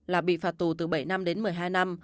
là bị phạt tù từ bảy năm đến một mươi hai năm